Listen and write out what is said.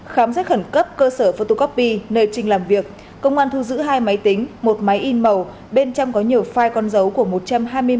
khám xét khẩn cấp cơ sở photocopy nơi trinh làm việc công an thu giữ hai máy tính một máy in màu bên trong có nhiều file con dấu của một trăm hai mươi một cơ quan tổ chức chủ yếu là tại tp đà nẵng